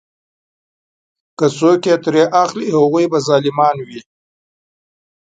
که څوک یې ترې اخلي هغوی به ظالمان وي.